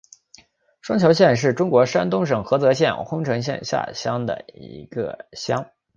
双桥乡是中国山东省菏泽市郓城县下辖的一个乡。